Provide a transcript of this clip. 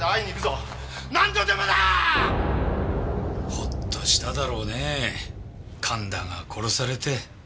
ほっとしただろうね神田が殺されて。